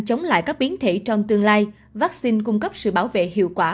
chống lại các biến thể trong tương lai vaccine cung cấp sự bảo vệ hiệu quả